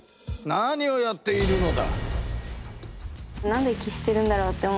何をやっているのだ？